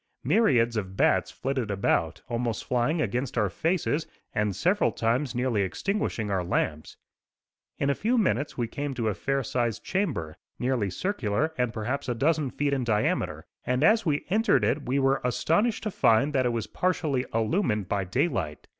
Myriads of bats flitted about, almost flying against our faces, and several times nearly extinguishing our lamps. In a few minutes we came to a fair sized chamber, nearly circular and perhaps a dozen feet in diameter; and as we entered it we were astonished to find that it was partially illumined by daylight.